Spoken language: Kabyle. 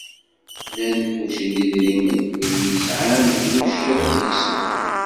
Nnan kulci d idrimen, wi ten-yesεan kullec ad t-yekseb.